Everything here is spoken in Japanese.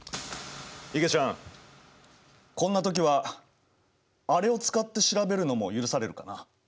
いげちゃんこんな時はあれを使って調べるのも許されるかな？